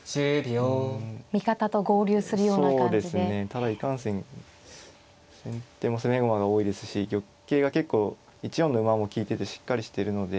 ただいかんせん先手も攻め駒が多いですし玉形が結構１四の馬も利いててしっかりしてるので。